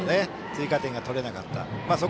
追加点が取れなかったという。